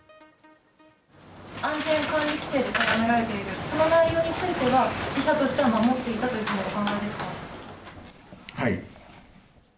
安全管理規程で定められている、その内容については自社としては守っていたというふうにお考えではい。